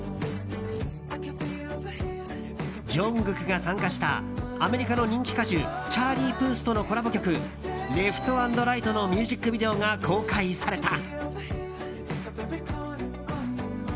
ＪＵＮＧＫＯＯＫが参加したアメリカの人気歌手チャーリー・プースとのコラボ曲「ＬｅｆｔａｎｄＲｉｇｈｔ」のミュージックビデオが公開された。